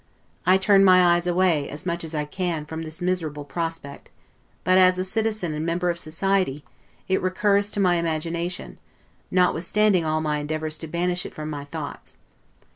I turn my eyes away, as much as I can, from this miserable prospect; but, as a citizen and member of society, it recurs to my imagination, notwithstanding all my endeavors to banish it from my thoughts.